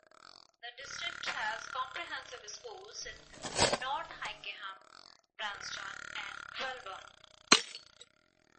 The district has comprehensive schools in North Hykeham, Branston and Welbourn.